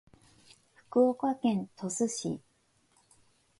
福岡県鳥栖市